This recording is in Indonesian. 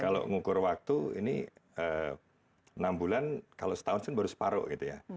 kalau ngukur waktu ini enam bulan kalau setahun itu baru separuh gitu ya